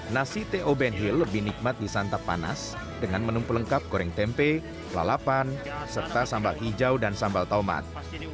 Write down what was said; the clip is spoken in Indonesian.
nasi t o benhil lebih nikmat di santap panas dengan menumpu lengkap goreng tempe lalapan serta sambal hijau dan sambal tomat